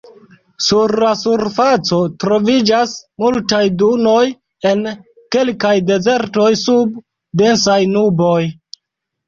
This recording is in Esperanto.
Sur la surfaco troviĝas multaj dunoj en kelkaj dezertoj sub densaj nuboj.